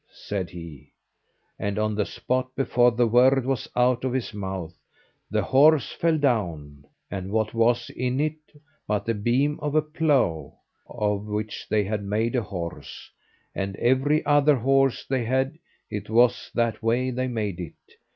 said he; and on the spot, before the word was out of his mouth, the horse fell down, and what was in it but the beam of a plough, of which they had made a horse; and every other horse they had, it was that way they made it.